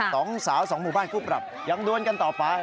สองสาวสองหมู่พาลผู้ปรับยังร้านกันต่อไป